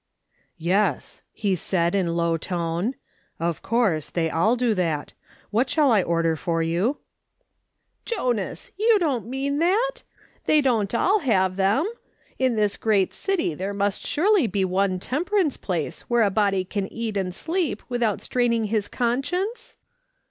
" Yes," he said, in low tone, " of course, they all do that. What shall I order for you T "Jonas, you don't mean that? They don't all have them ? In this great city there must surely be one temperance place where a body can eat and sleep without staining his conscience